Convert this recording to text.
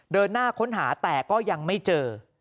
เดินหน้าค้นหาแต่ก็ยังไม่เจอ